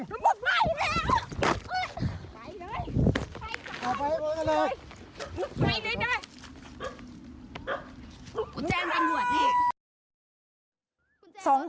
คุณแจ้นรัฐหมวดนี่